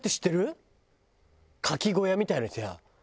牡蠣小屋みたいなやつが。